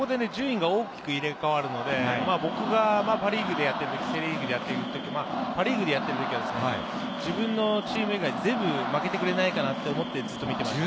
ここで順位が大きく入れ替わるので、僕がパ・リーグ、セ・リーグでやっているときはパ・リーグでやってるときは自分のチーム以外、全部負けてくれないかなと思って、ずっと見ていました。